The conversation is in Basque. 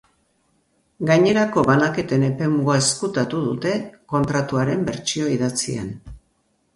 Gainerako banaketen epemuga ezkutatu dute kontratuaren bertsio idatzian.